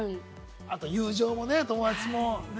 あと友情もね、友達も。